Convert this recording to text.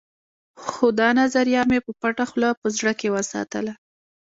خو دا نظريه مې په پټه خوله په زړه کې وساتله.